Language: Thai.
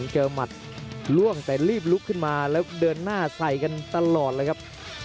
หมัดล่วงแต่รีบลุกขึ้นมาแล้วเดินหน้าใส่กันตลอดเลยครับ